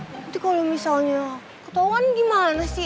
nanti kalau misalnya ketauan gimana sil